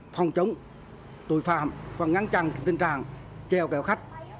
phòng chống tội phạm và ngăn chặn tình trạng kèo kéo khách